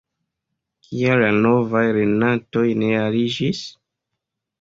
Kial la novaj lernantoj ne aliĝis?